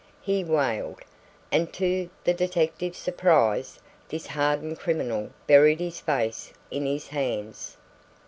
he wailed, and to the detective's surprise this hardened criminal buried his face in his hands.